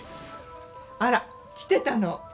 あら？来てたの？